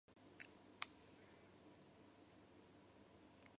スギ薬局に行こう